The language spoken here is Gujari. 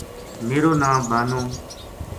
میرو ناں بانو